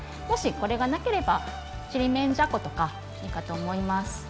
もしこれがなければちりめんじゃことかいいかと思います。